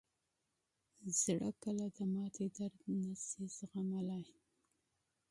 زړه کله د ماتې درد نه شي زغملی.